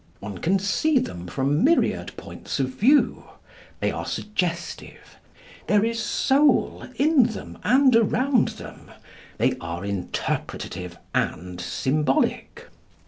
One can see them from myriad points of view. They are suggestive. There is soul in them and around them. They are interpretative and symbolic.